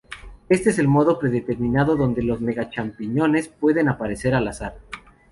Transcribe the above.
Este es el modo predeterminado, donde los Mega Champiñones pueden aparecer al azar.